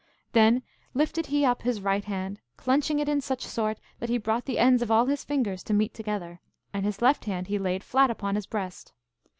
Then lifted he up his right hand, clunching it in such sort that he brought the ends of all his fingers to meet together, and his left hand he laid flat upon his breast.